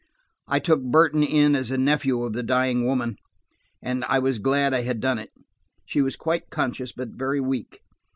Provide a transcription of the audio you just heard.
I took Burton in as a nephew of the dying woman, and I was glad I had done it. She was quite conscious, but very weak.